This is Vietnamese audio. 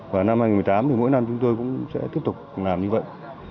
và năm hai nghìn một mươi tám thì mỗi năm chúng tôi cũng sẽ tiếp tục làm như vậy